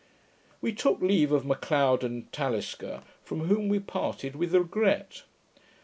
We took leave of M'Leod and Talisker, from whom we parted with regret.